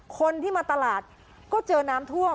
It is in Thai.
คนที่มาตลาดก็เจอน้ำท่วม